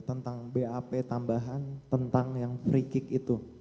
tentang bap tambahan tentang yang free kick itu